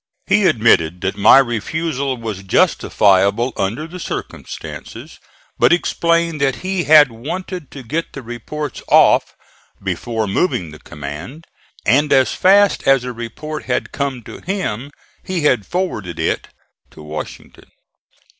He admitted that my refusal was justifiable under the circumstances, but explained that he had wanted to get the reports off before moving the command, and as fast as a report had come to him he had forwarded it to Washington.